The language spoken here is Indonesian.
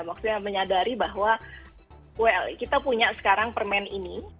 maksudnya menyadari bahwa well kita punya sekarang permen ini